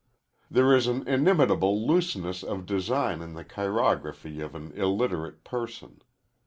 There is an inimitable looseness of design in the chirography of an illiterate person.